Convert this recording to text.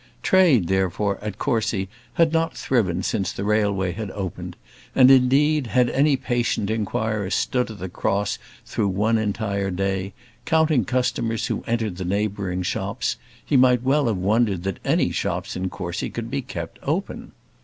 Trade, therefore, at Courcy, had not thriven since the railway had opened: and, indeed, had any patient inquirer stood at the cross through one entire day, counting customers who entered the neighbouring shops, he might well have wondered that any shops in Courcy could be kept open.